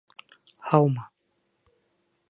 Һаумы.